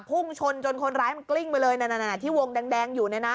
พุ่งชนจนคนร้ายมันกลิ้งไปเลยนั่นที่วงแดงอยู่เนี่ยนะ